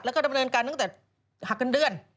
แล้วก็ดำเนินการตั้งแต่หักเงินเดือน